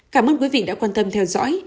cảm ơn quý vị đã quan tâm theo dõi